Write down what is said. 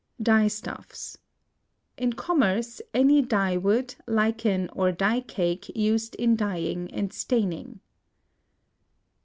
DYESTUFFS. In commerce, any dyewood, lichen, or dyecake used in dyeing and staining.